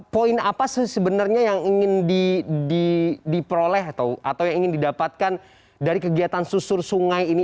poin apa sebenarnya yang ingin diperoleh atau yang ingin didapatkan dari kegiatan susur sungai ini